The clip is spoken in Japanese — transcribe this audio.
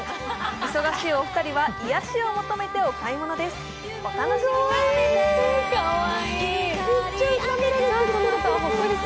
忙しいお二人は癒やしを求めてお買い物です。